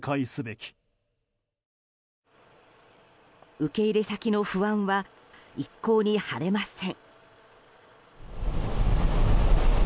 受け入れ先の不安は一向に晴れません。